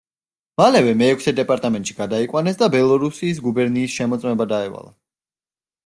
მალევე მეექვსე დეპარტამენტში გადაიყვანეს და ბელორუსიის გუბერნიის შემოწმება დაევალა.